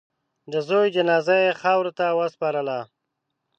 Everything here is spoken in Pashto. د زوی جنازه یې خاورو ته وسپارله.